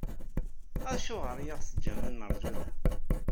Acuɣer i aɣ-teǧǧam ad neṛju da?